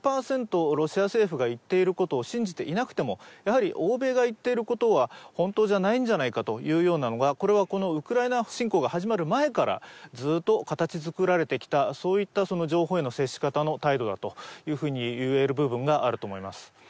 ロシア政府が言っていることを信じていなくてもやはり欧米が言っていることは本当じゃないんじゃないかというようなのがこれはこのウクライナ侵攻が始まる前からずーっと形づくられてきたそういったその情報への接し方の態度だというふうにいえる部分があると思います